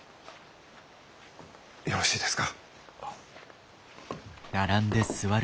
よろしいですか？